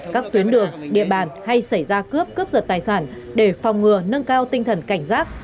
các tuyến đường địa bàn hay xảy ra cướp cướp giật tài sản để phòng ngừa nâng cao tinh thần cảnh giác